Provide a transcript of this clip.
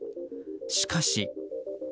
しかし。